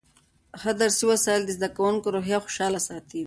ښه درسي وسایل د زده کوونکو روحیه خوشحاله ساتي.